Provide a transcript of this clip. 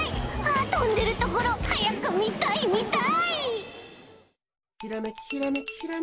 とんでるところはやくみたいみたい！